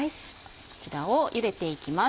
こちらをゆでていきます。